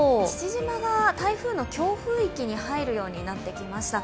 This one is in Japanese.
父島が台風の強風域に入ってくるようになりました。